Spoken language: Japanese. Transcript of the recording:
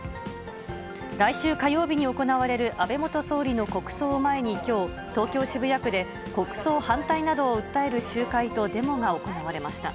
来週火曜日に行われる安倍元総理の国葬を前にきょう、東京・渋谷区で、国葬反対などを訴える集会とデモが行われました。